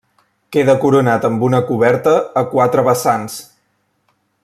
Queda coronat amb una coberta a quatre vessants.